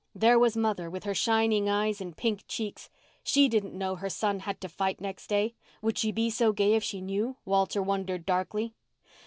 There was mother, with her shining eyes and pink cheeks. She didn't know her son had to fight next day. Would she be so gay if she knew, Walter wondered darkly.